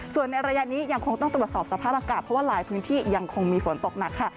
ส่วนในระยะนี้ยังคงต้องตรวจสอบสภาพอากาศเพราะว่าหลายพื้นที่ยังคงมีฝนตกหนักค่ะ